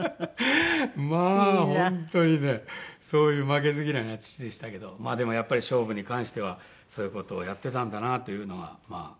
まあ本当にねそういう負けず嫌いな父でしたけどまあでもやっぱり勝負に関してはそういう事をやってたんだなというのはまあ新しい。